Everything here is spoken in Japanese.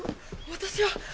私は。